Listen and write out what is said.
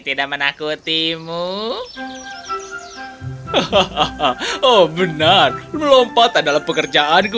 ibu kamu kan kuat gegen cinta pelang